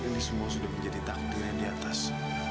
ini semua sudah menjadi takdir yang di atas